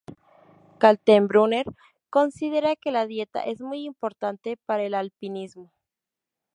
Kaltenbrunner considera que la dieta es muy importante para el alpinismo.